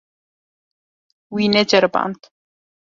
Wî neceriband.